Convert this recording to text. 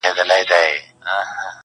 د نښتر وني جنډۍ سوې د قبرونو!